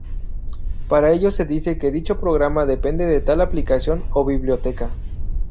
Por ello se dice que dicho programa depende de tal aplicación o biblioteca.